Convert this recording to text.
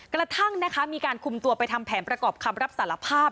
กระทั่งนะคะมีการคุมตัวไปทำแผนประกอบคำรับสารภาพ